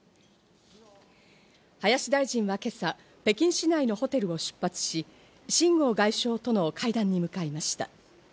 林大臣は今朝、北京市内のホテルを出発し、シン・ゴウ外相との会談に向かいました。